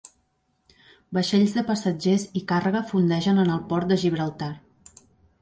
Vaixells de passatgers i càrrega fondegen en el port de Gibraltar.